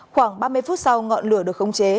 khoảng ba mươi phút sau ngọn lửa được khống chế